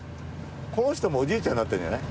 この人もおじいちゃんになったんじゃない？